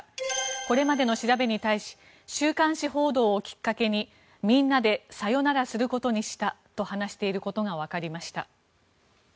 これまでの調べに対し週刊誌報道をきっかけにみんなでさよならすることにしたと話していることがわかりました。